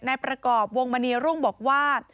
นายประกอบวงมณีรุ่งบอกว่า